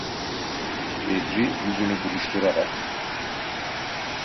Bedri yüzünü buruşturarak: